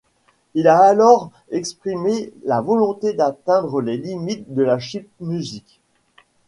Il a alors exprimé la volonté d’atteindre les limites de la chipmusic.